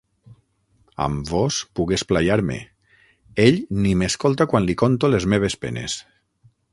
Amb vós, puc esplaiar-me: ell ni m'escolta quan li conto les meves penes.